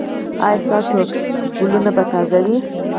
ایا ستاسو ګلونه به تازه وي؟